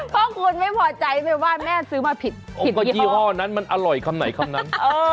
เพราะคุณไม่พอใจไปว่าแม่ซื้อมาผิดว่ายี่ห้อนั้นมันอร่อยคำไหนคำนั้น